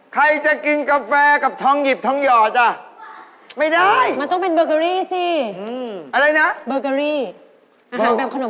ใครจะกินกาแฟกับทองหยิบทองหยอดน่ะ